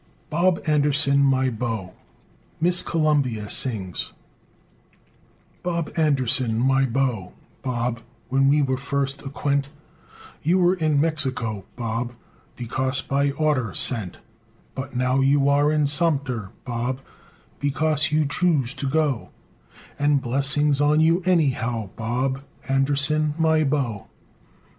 BOB ANDERSON, MY BEAU (Miss Columbia Sings) Bob Anderson, my beau, Bob, when we were first aquent, You were in Mex i co, Bob, because by order sent; But now you are in Sumter, Bob, because you chose to go; And blessings on you anyhow, Bob Anderson, my beau!